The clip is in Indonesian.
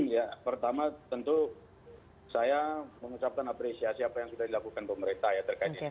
ya pertama tentu saya mengucapkan apresiasi apa yang sudah dilakukan pemerintah ya terkait ini